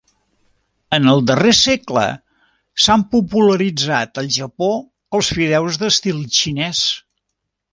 En el darrer segle s'han popularitzat al Japó els fideus d'estil xinès.